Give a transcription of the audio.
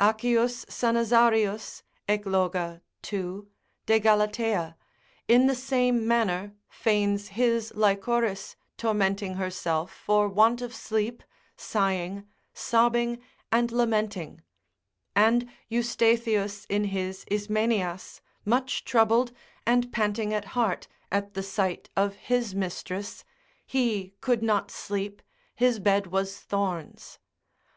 Accius Sanazarius Egloga 2. de Galatea, in the same manner feigns his Lychoris tormenting herself for want of sleep, sighing, sobbing, and lamenting; and Eustathius in his Ismenias much troubled, and panting at heart, at the sight of his mistress, he could not sleep, his bed was thorns.